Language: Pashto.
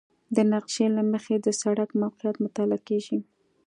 د نقشې له مخې د سړک موقعیت مطالعه کیږي